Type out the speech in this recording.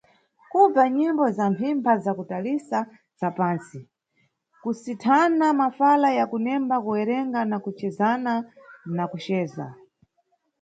Kubva nyimbo za mphimpha za kutalitsa za pansti, kusinthana mafala ya kunemba kuwerenga na kujedzana na kuceza.